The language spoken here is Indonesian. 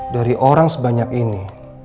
dari orang sebanyak ini